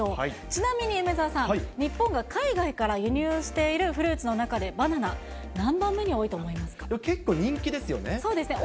ちなみに、梅澤さん、日本が海外から輸入しているフルーツの中で、バナナ、何番目に多結構人気ですよね。